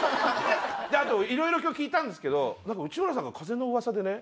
あといろいろ今日聞いたんですけど内村さんが風の噂でね